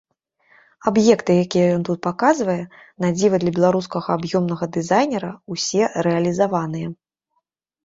Аб'екты, якія ён тут паказвае, на дзіва для беларускага аб'ёмнага дызайнера, усе рэалізаваныя.